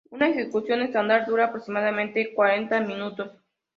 Una ejecución estándar dura aproximadamente cuarenta minutos.